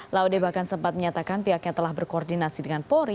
laude bahkan sempat menyatakan pihaknya telah berkoordinasi dengan polri